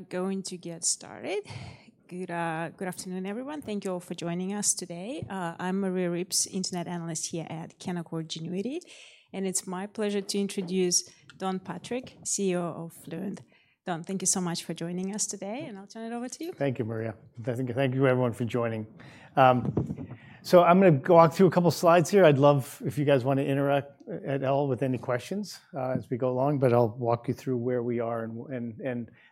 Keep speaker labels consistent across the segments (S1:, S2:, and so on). S1: We are going to get started. Good afternoon, everyone. Thank you all for joining us today. I'm Maria Ripps, Internet Analyst here at Canaccord Genuity, and it's my pleasure to introduce Don Patrick, CEO of Fluent. Don, thank you so much for joining us today, and I'll turn it over to you.
S2: Thank you, Maria. Thank you, everyone, for joining. I'm going to walk through a couple of slides here. I'd love if you guys want to interrupt at all with any questions as we go along, but I'll walk you through where we are and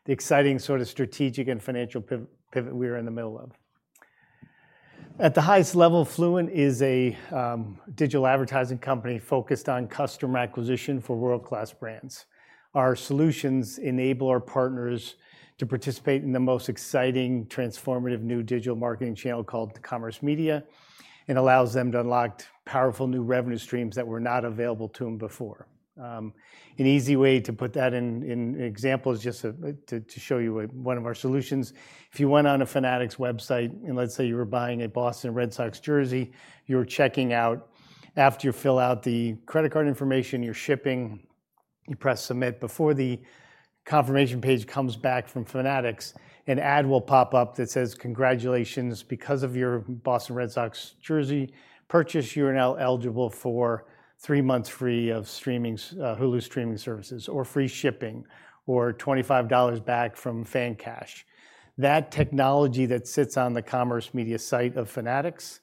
S2: the exciting sort of strategic and financial pivot we're in the middle of. At the highest level, Fluent is a digital advertising company focused on customer acquisition for world-class brands. Our solutions enable our partners to participate in the most exciting, transformative new digital marketing channel called Commerce Media. It allows them to unlock powerful new revenue streams that were not available to them before. An easy way to put that in examples is just to show you one of our solutions. If you went on a Fanatics website and let's say you were buying a Boston Red Sox jersey, you're checking out. After you fill out the credit card information, your shipping, you press submit. Before the confirmation page comes back from Fanatics, an ad will pop up that says, "Congratulations. Because of your Boston Red Sox jersey purchase, you're now eligible for three months free of Hulu streaming services, or free shipping, or $25 back from FanCash." That technology that sits on the Commerce Media site of Fanatics,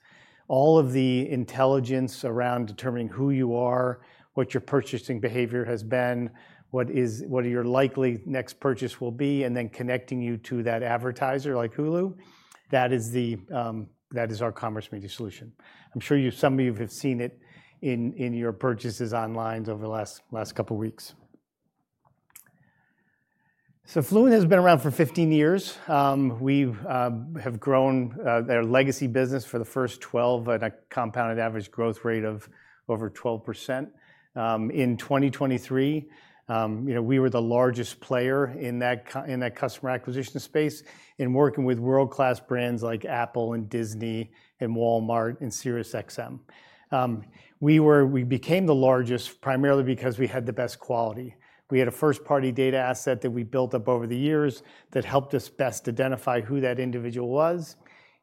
S2: all of the intelligence around determining who you are, what your purchasing behavior has been, what your likely next purchase will be, and then connecting you to that advertiser like Hulu, that is our Commerce Media solution. I'm sure some of you have seen it in your purchases online over the last couple of weeks. Fluent has been around for 15 years. We have grown their legacy business for the first 12 at a compounded average growth rate of over 12%. In 2023, we were the largest player in that customer acquisition space in working with world-class brands like Apple and Disney and Walmart and SiriusXM. We became the largest primarily because we had the best quality. We had a first-party data asset that we built up over the years that helped us best identify who that individual was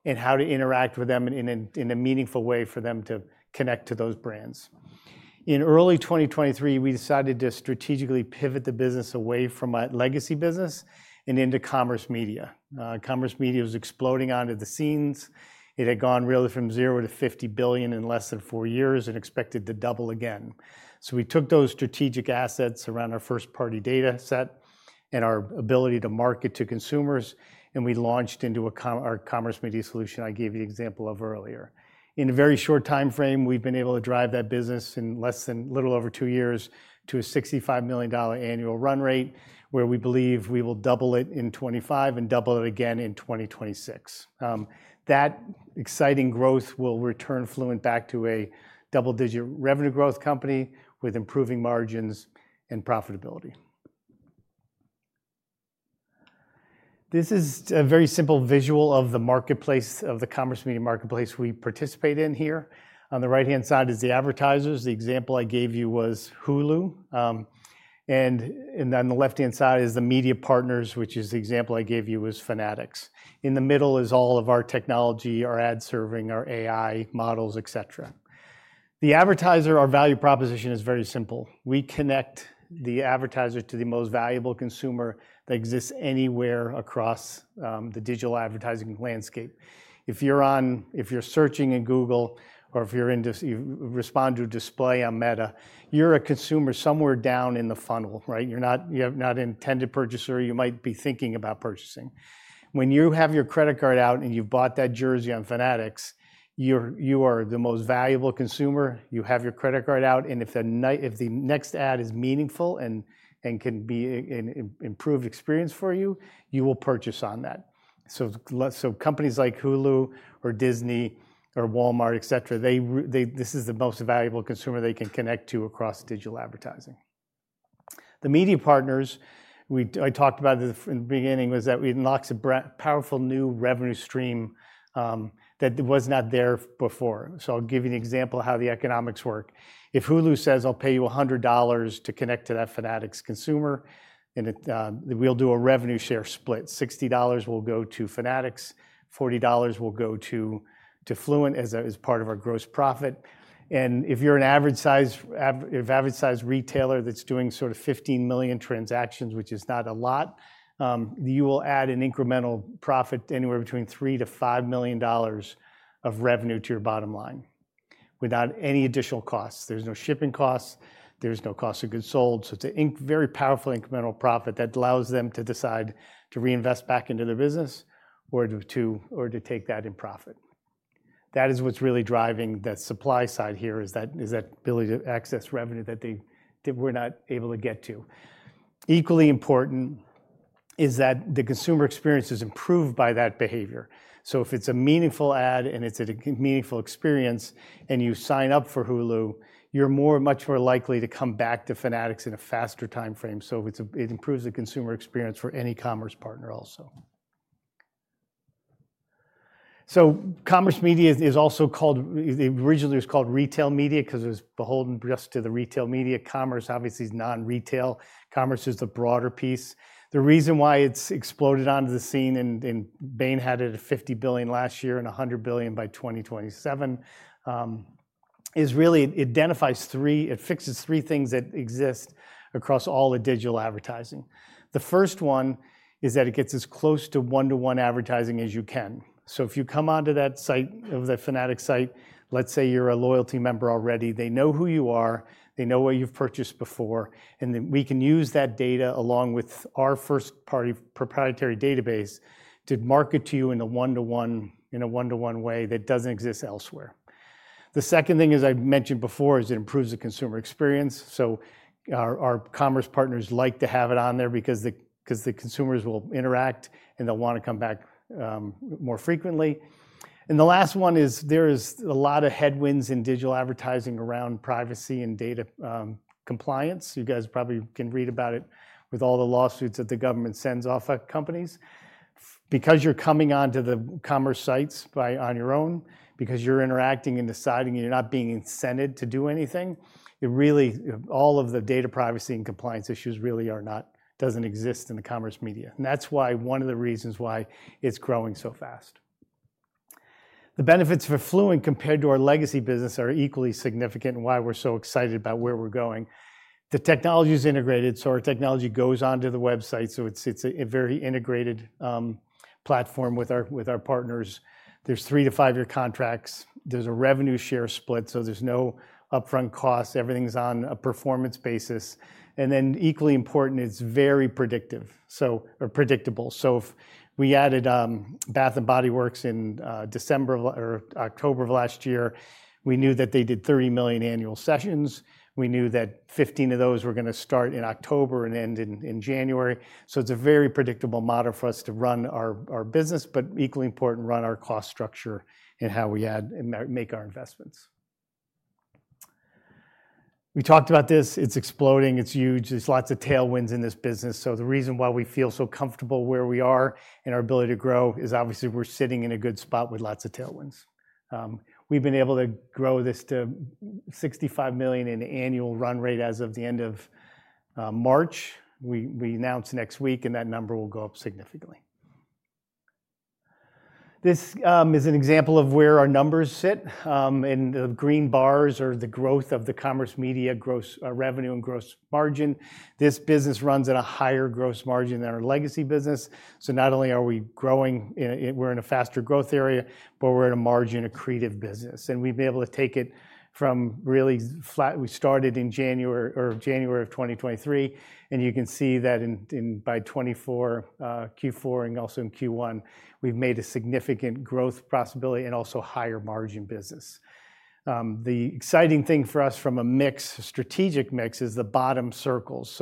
S2: and how to interact with them in a meaningful way for them to connect to those brands. In early 2023, we decided to strategically pivot the business away from a legacy business and into Commerce Media. Commerce Media was exploding onto the scenes. It had gone really from zero to $50 billion in less than four years and expected to double again. We took those strategic assets around our first-party data set and our ability to market to consumers, and we launched into our Commerce Media solution I gave you an example of earlier. In a very short time frame, we've been able to drive that business in less than a little over two years to a $65 million annual run rate where we believe we will double it in 2025 and double it again in 2026. That exciting growth will return Fluent back to a double-digit revenue growth company with improving margins and profitability. This is a very simple visual of the marketplace, of the Commerce Media marketplace we participate in here. On the right-hand side is the advertisers. The example I gave you was Hulu. On the left-hand side is the media partners, which is the example I gave you was Fanatics. In the middle is all of our technology, our ad serving, our AI models, etc. The advertiser, our value proposition is very simple. We connect the advertiser to the most valuable consumer that exists anywhere across the digital advertising landscape. If you're searching in Google or if you respond to a display on Meta, you're a consumer somewhere down in the funnel, right? You're not an intended purchaser. You might be thinking about purchasing. When you have your credit card out and you bought that jersey on Fanatics, you are the most valuable consumer. You have your credit card out, and if the next ad is meaningful and can be an improved experience for you, you will purchase on that. Companies like Hulu or Disney or Walmart, et cetera., this is the most valuable consumer they can connect to across digital advertising. The media partners I talked about in the beginning was that we unlocked a powerful new revenue stream that was not there before. I'll give you an example of how the economics work. If Hulu says, "I'll pay you $100 to connect to that Fanatics consumer," we'll do a revenue share split. $60 will go to Fanatics. $40 will go to Fluent as part of our gross profit. If you're an average-sized retailer that's doing sort of 15 million transactions, which is not a lot, you will add an incremental profit anywhere between $3 million-$5 million of revenue to your bottom line without any additional costs. There's no shipping costs. There's no cost of goods sold. It's a very powerful incremental profit that allows them to decide to reinvest back into their business or to take that in profit. That is what's really driving that supply side here, is that ability to access revenue that we're not able to get to. Equally important is that the consumer experience is improved by that behavior. If it's a meaningful ad and it's a meaningful experience and you sign up for Hulu, you're much more likely to come back to Fanatics in a faster time frame. It improves the consumer experience for any commerce partner also. Commerce Media is also called, originally it was called Retail Media because it was beholden just to the retail media. Commerce obviously is non-retail. Commerce is the broader piece. The reason why it's exploded onto the scene and Bain had it at $50 billion last year and $100 billion by 2027 is really it identifies three, it fixes three things that exist across all the digital advertising. The first one is that it gets as close to one-to-one advertising as you can. If you come onto that site, the Fanatics site, let's say you're a loyalty member already, they know who you are, they know where you've purchased before, and we can use that data along with our first-party proprietary database to market to you in a one-to-one way that doesn't exist elsewhere. The second thing, as I mentioned before, is it improves the consumer experience. Our commerce partners like to have it on there because the consumers will interact and they'll want to come back more frequently. The last one is there are a lot of headwinds in digital advertising around privacy and data compliance. You guys probably can read about it with all the lawsuits that the government sends off at companies. Because you're coming onto the commerce sites on your own, because you're interacting and deciding and you're not being incented to do anything, all of the data privacy and compliance issues really do not exist in the Commerce Media. That's one of the reasons why it's growing so fast. The benefits for Fluent compared to our legacy business are equally significant and why we're so excited about where we're going. The technology is integrated. Our technology goes onto the website. It's a very integrated platform with our partners. There are three to five-year contracts. There's a revenue share split. There's no upfront cost. Everything's on a performance basis. Equally important, it's very predictable. If we added Bath & Body Works in October of last year, we knew that they did 30 million annual sessions. We knew that 15 of those were going to start in October and end in January. It's a very predictable model for us to run our business, but equally important to run our cost structure and how we make our investments. We talked about this. It's exploding. It's huge. There are lots of tailwinds in this business. The reason why we feel so comfortable where we are and our ability to grow is obviously we're sitting in a good spot with lots of tailwinds. We've been able to grow this to $65 million in annual run rate as of the end of March. We announce next week, and that number will go up significantly. This is an example of where our numbers sit. The green bars are the growth of the Commerce Media revenue and gross margin. This business runs at a higher gross margin than our legacy business. Not only are we growing, we're in a faster growth area, but we're at a margin of creative business. We've been able to take it from really flat. We started in January of 2023, and you can see that by Q4 and also in Q1, we've made a significant growth possibility and also a higher margin business. The exciting thing for us from a strategic mix is the bottom circles.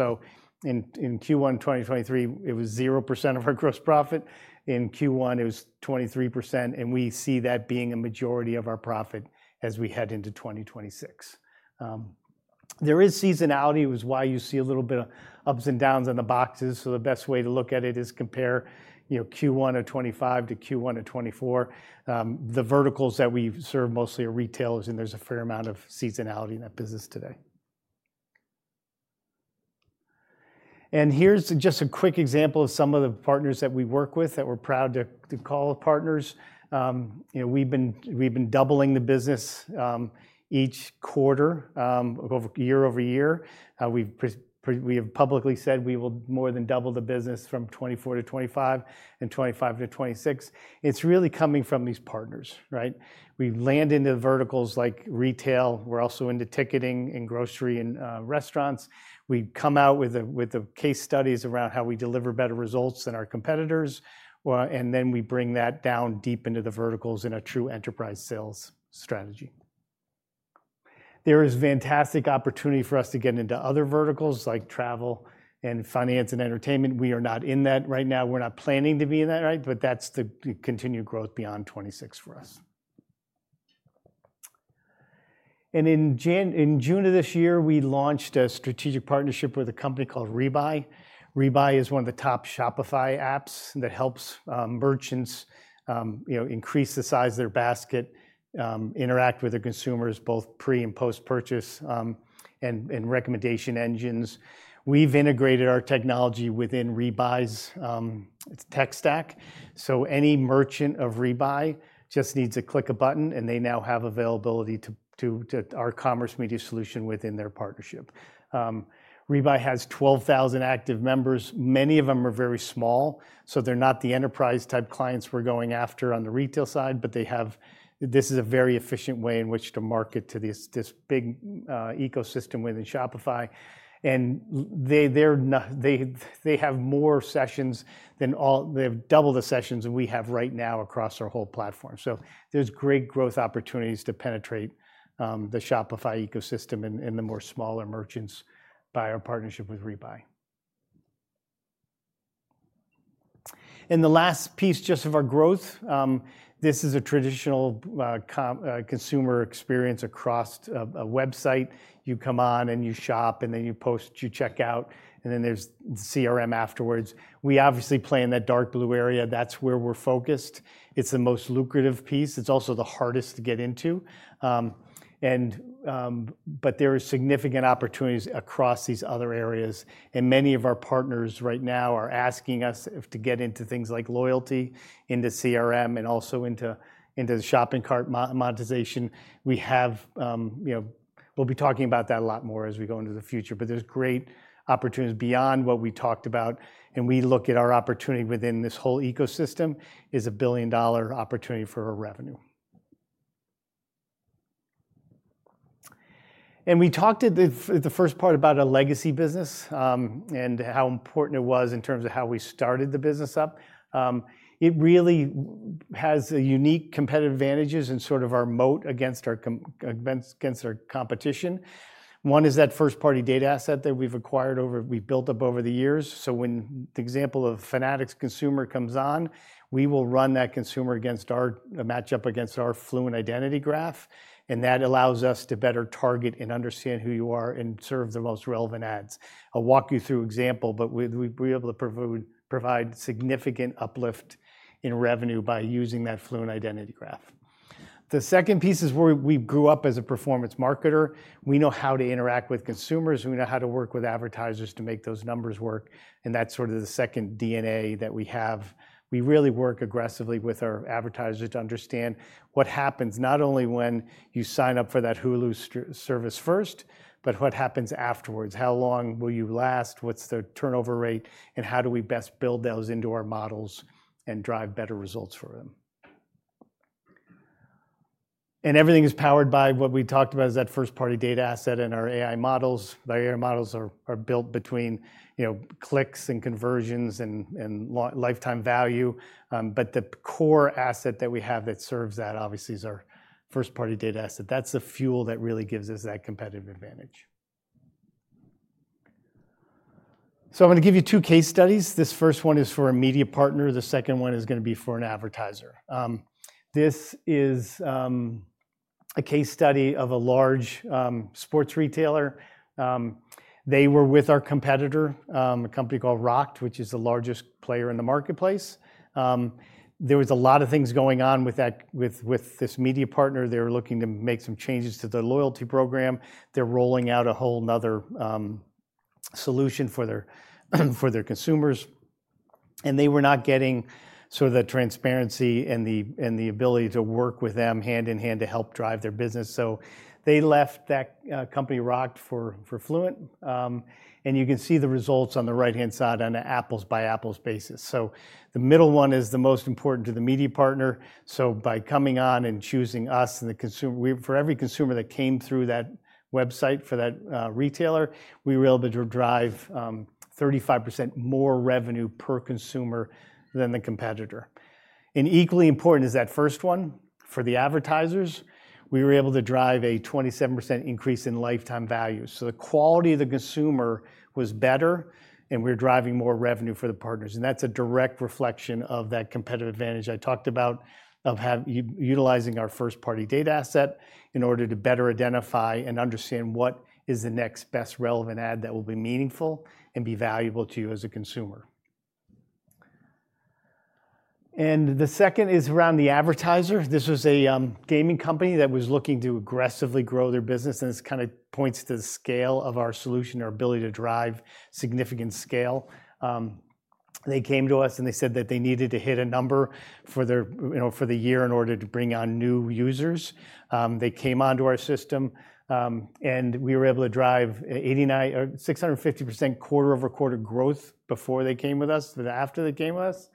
S2: In Q1 2023, it was 0% of our gross profit. In Q1, it was 23%. We see that being a majority of our profit as we head into 2026. There is seasonality. That is why you see a little bit of ups and downs on the boxes. The best way to look at it is compare Q1 of 2025 to Q1 of 2024. The verticals that we serve mostly are retailers, and there's a fair amount of seasonality in that business today. Here's just a quick example of some of the partners that we work with that we're proud to call partners. We've been doubling the business each quarter, year-over-year. We have publicly said we will more than double the business from 2024 to 2025 and 2025 to 2026. It's really coming from these partners, right? We land into the verticals like retail. We're also into ticketing and grocery and restaurants. We come out with case studies around how we deliver better results than our competitors. We bring that down deep into the verticals in a true enterprise sales strategy. There is a fantastic opportunity for us to get into other verticals like travel and finance and entertainment. We are not in that right now. We're not planning to be in that, right? That's the continued growth beyond 2026 for us. In June of this year, we launched a strategic partnership with a company called Rebuy. Rebuy is one of the top Shopify apps that helps merchants increase the size of their basket, interact with their consumers both pre and post-purchase, and recommendation engines. We've integrated our technology within Rebuy's tech stack. Any merchant of Rebuy just needs to click a button, and they now have availability to our Commerce Media solution within their partnership. Rebuy has 12,000 active members. Many of them are very small. They're not the enterprise-type clients we're going after on the retail side, but this is a very efficient way in which to market to this big ecosystem within Shopify. They have more sessions than all, they've doubled the sessions that we have right now across our whole platform. There's great growth opportunities to penetrate the Shopify ecosystem and the more smaller merchants by our partnership with Rebuy. The last piece just of our growth, this is a traditional consumer experience across a website. You come on and you shop, and then you post, you check out, and then there's the CRM afterwards. We obviously play in that dark blue area. That's where we're focused. It's the most lucrative piece. It's also the hardest to get into. There are significant opportunities across these other areas. Many of our partners right now are asking us to get into things like loyalty, into CRM, and also into the shopping cart monetization. We'll be talking about that a lot more as we go into the future. There's great opportunities beyond what we talked about. We look at our opportunity within this whole ecosystem as a billion-dollar opportunity for our revenue. We talked at the first part about a legacy business and how important it was in terms of how we started the business up. It really has unique competitive advantages and sort of our moat against our competition. One is that first-party data asset that we've built up over the years. When the example of Fanatics consumer comes on, we will run that consumer against our matchup against our Fluent identity graph. That allows us to better target and understand who you are and serve the most relevant ads. I'll walk you through an example, but we're able to provide significant uplift in revenue by using that Fluent identity graph. The second piece is where we grew up as a performance marketer. We know how to interact with consumers. We know how to work with advertisers to make those numbers work. That's sort of the second DNA that we have. We really work aggressively with our advertisers to understand what happens not only when you sign up for that Hulu service first, but what happens afterwards. How long will you last? What's the turnover rate? How do we best build those into our models and drive better results for them? Everything is powered by what we talked about, which is that first-party data asset and our AI models. The AI models are built between clicks and conversions and lifetime value. The core asset that we have that serves that, obviously, is our first-party data asset. That's the fuel that really gives us that competitive advantage. I'm going to give you two case studies. This first one is for a media partner. The second one is going to be for an advertiser. This is a case study of a large sports retailer. They were with our competitor, a company called Rokt, which is the largest player in the marketplace. There were a lot of things going on with this media partner. They were looking to make some changes to their loyalty program. They're rolling out a whole other solution for their consumers. They were not getting the transparency and the ability to work with them hand in hand to help drive their business. They left that company, Rokt, for Fluent. You can see the results on the right-hand side on an apples-to-apples basis. The middle one is the most important to the media partner. By coming on and choosing us and the consumer, for every consumer that came through that website for that retailer, we were able to drive 35% more revenue per consumer than the competitor. Equally important is that first one for the advertisers. We were able to drive a 27% increase in lifetime value. The quality of the consumer was better, and we're driving more revenue for the partners. That's a direct reflection of that competitive advantage I talked about of utilizing our first-party data asset in order to better identify and understand what is the next best relevant ad that will be meaningful and be valuable to you as a consumer. The second is around the advertiser. This was a gaming company that was looking to aggressively grow their business, and this kind of points to the scale of our solution, our ability to drive significant scale. They came to us and they said that they needed to hit a number for the year in order to bring on new users. They came onto our system, and we were able to drive 650% quarter-over-quarter growth before they came with us, then after they came with us.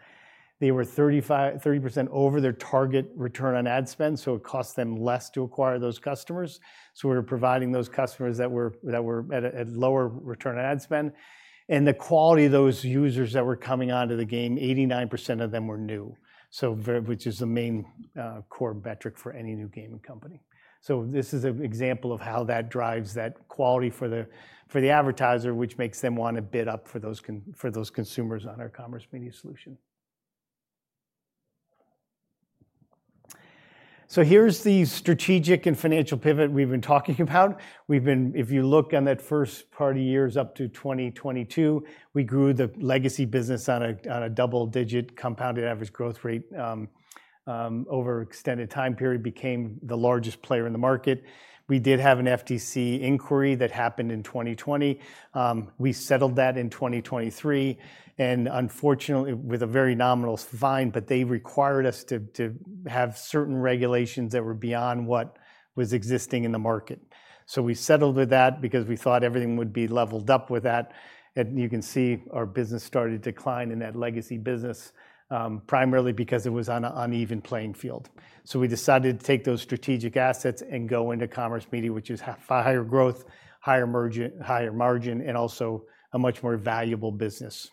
S2: They were 30% over their target return on ad spend, so it cost them less to acquire those customers. We're providing those customers that were at a lower return on ad spend. The quality of those users that were coming onto the game, 89% of them were new, which is the main core metric for any new gaming company. This is an example of how that drives that quality for the advertiser, which makes them want to bid up for those consumers on our Commerce Media solution. Here's the strategic and financial pivot we've been talking about. If you look on that first-party years up to 2022, we grew the legacy business on a double-digit compounded average growth rate over an extended time period, became the largest player in the market. We did have an FTC inquiry that happened in 2020. We settled that in 2023, and unfortunately, with a very nominal fine, but they required us to have certain regulations that were beyond what was existing in the market. We settled with that because we thought everything would be leveled up with that. You can see our business started to decline in that legacy business, primarily because it was on an uneven playing field. We decided to take those strategic assets and go into Commerce Media, which is higher growth, higher margin, and also a much more valuable business.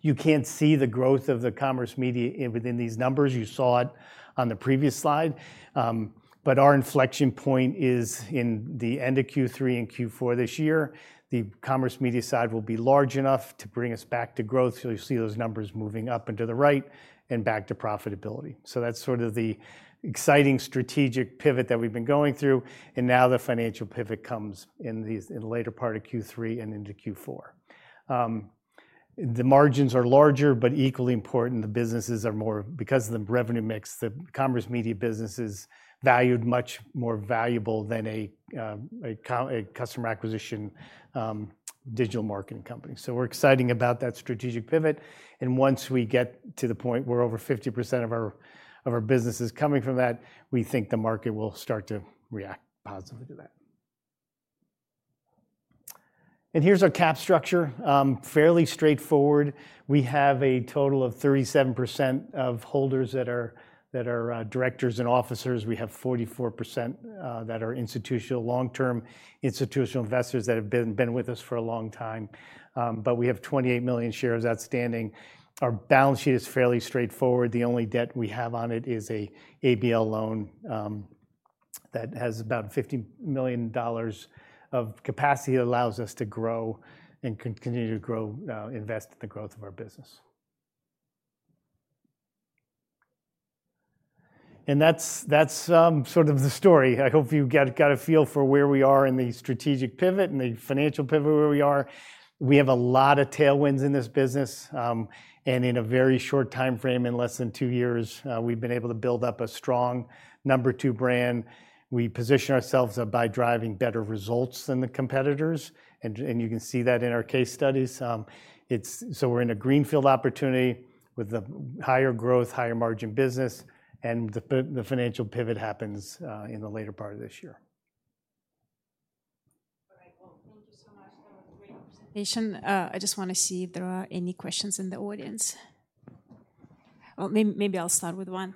S2: You can't see the growth of the Commerce Media within these numbers. You saw it on the previous slide. Our inflection point is in the end of Q3 and Q4 this year. The Commerce Media side will be large enough to bring us back to growth. You'll see those numbers moving up and to the right and back to profitability. That's sort of the exciting strategic pivot that we've been going through. Now the financial pivot comes in the later part of Q3 and into Q4. The margins are larger, but equally important. The businesses are more, because of the revenue mix, the Commerce Media business is valued much more valuable than a customer acquisition digital marketing company. We're excited about that strategic pivot. Once we get to the point where over 50% of our business is coming from that, we think the market will start to react positively to that. Here's our cap structure. Fairly straightforward. We have a total of 37% of holders that are directors and officers. We have 44% that are long-term institutional investors that have been with us for a long time. We have 28 million shares outstanding. Our balance sheet is fairly straightforward. The only debt we have on it is an ABL loan that has about $50 million of capacity that allows us to grow and continue to grow, invest in the growth of our business. That is sort of the story. I hope you got a feel for where we are in the strategic pivot and the financial pivot where we are. We have a lot of tailwinds in this business. In a very short time frame, in less than two years, we've been able to build up a strong number two brand. We position ourselves by driving better results than the competitors. You can see that in our case studies. We are in a greenfield opportunity with a higher growth, higher margin business. The financial pivot happens in the later part of this year.
S1: I just want to see if there are any questions in the audience. Maybe I'll start with one.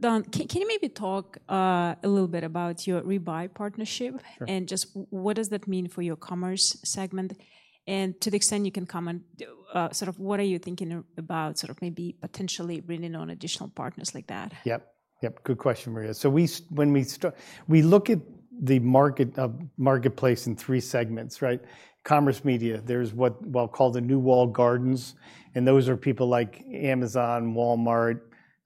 S1: Don, can you maybe talk a little bit about your Rebuy partnership and just what does that mean for your commerce segment? To the extent you can comment, what are you thinking about maybe potentially bringing on additional partners like that?
S2: Yep, yep. Good question, Maria. When we look at the marketplace in three segments, right? Commerce Media, there's what we'll call the New Walled Gardens. Those are people like Amazon, Walmart,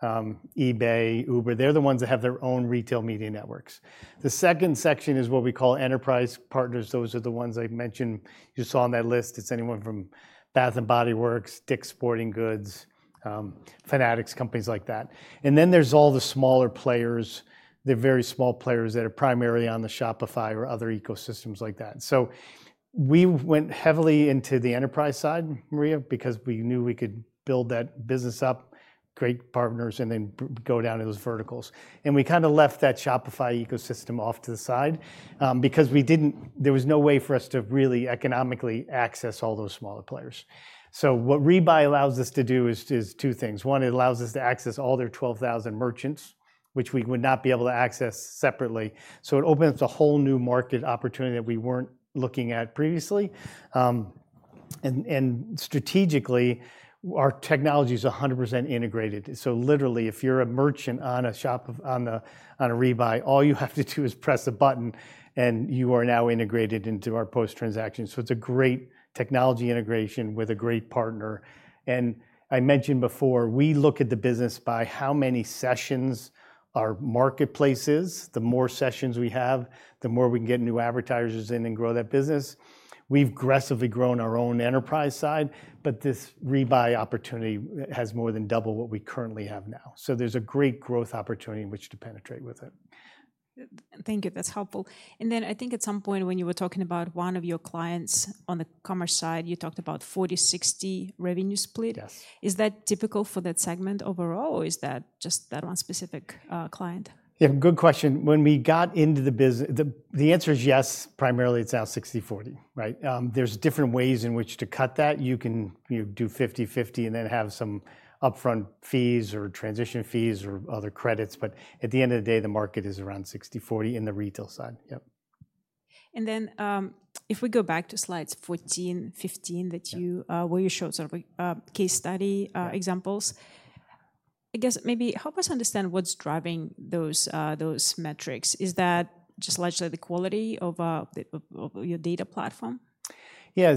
S2: eBay, Uber. They're the ones that have their own retail media networks. The second section is what we call enterprise partners. Those are the ones I mentioned. You saw on that list, it's anyone from Bath & Body Works, Dick's Sporting Goods, Fanatics, companies like that. Then there's all the smaller players. They're very small players that are primarily on the Shopify or other ecosystems like that. We went heavily into the enterprise side, Maria, because we knew we could build that business up, create partners, and then go down to those verticals. We kind of left that Shopify ecosystem off to the side because there was no way for us to really economically access all those smaller players. What Rebuy allows us to do is two things. One, it allows us to access all their 12,000 merchants, which we would not be able to access separately. It opened up a whole new market opportunity that we weren't looking at previously. Strategically, our technology is 100% integrated. Literally, if you're a merchant on Rebuy, all you have to do is press a button, and you are now integrated into our post-transaction. It's a great technology integration with a great partner. I mentioned before, we look at the business by how many sessions our marketplace is. The more sessions we have, the more we can get new advertisers in and grow that business. We've aggressively grown our own enterprise side, but this Rebuy opportunity has more than double what we currently have now. There's a great growth opportunity in which to penetrate with it.
S1: Thank you. That's helpful. I think at some point when you were talking about one of your clients on the Commerce side, you talked about 40/60 revenue split. Is that typical for that segment overall, or is that just that one specific client?
S2: Good question. When we got into the business, the answer is yes, primarily it's now 60/40. There are different ways in which to cut that. You can do 50/50 and then have some upfront fees or transition fees or other credits. At the end of the day, the market is around 60/40 in the retail side.
S1: If we go back to slides 14, 15 where you show sort of case study examples, I guess maybe help us understand what's driving those metrics. Is that just largely the quality of your data platform?
S2: Yeah,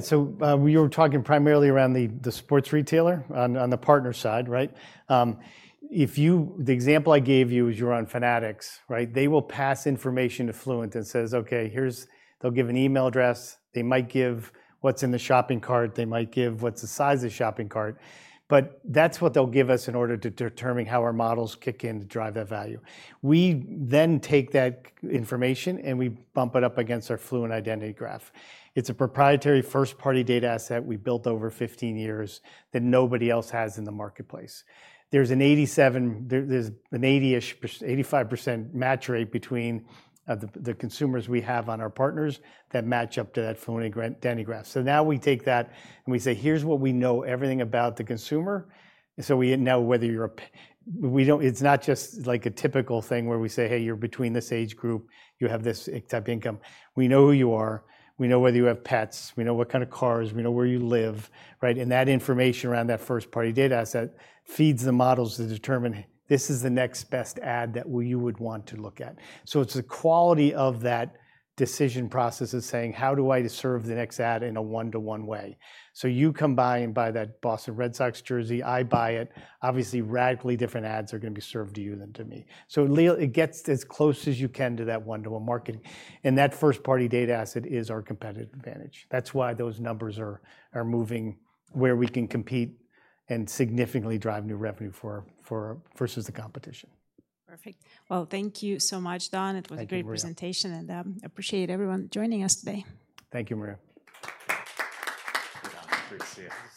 S2: so we were talking primarily around the sports retailer on the partner side, right? If you, the example I gave you is you're on Fanatics, right? They will pass information to Fluent and say, "OK, here's," they'll give an email address. They might give what's in the shopping cart. They might give what's the size of the shopping cart. That's what they'll give us in order to determine how our models kick in to drive that value. We then take that information and we bump it up against our Fluent identity graph. It's a proprietary first-party data asset we built over 15 years that nobody else has in the marketplace. There's an 80%-85% match rate between the consumers we have on our partners that match up to that Fluent identity graph. We take that and we say, "Here's what we know everything about the consumer." We know whether you're a, it's not just like a typical thing where we say, "Hey, you're between this age group. You have this type of income." We know who you are. We know whether you have pets. We know what kind of cars. We know where you live, right? That information around that first-party data asset feeds the models to determine this is the next best ad that you would want to look at. It's the quality of that decision process of saying, "How do I serve the next ad in a one-to-one way?" You come by and buy that Boston Red Sox jersey. I buy it. Obviously, radically different ads are going to be served to you than to me. It gets as close as you can to that one-to-one marketing. That first-party data asset is our competitive advantage. That's why those numbers are moving where we can compete and significantly drive new revenue versus the competition.
S1: Perfect. Thank you so much, Don. It was a great presentation. I appreciate everyone joining us today.
S2: Thank you, Maria.
S3: Thank you, Don. It's great to see you.